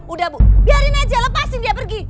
udah bu biarin aja lepasin dia pergi